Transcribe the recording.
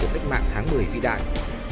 cách mạng tháng một mươi vĩ đại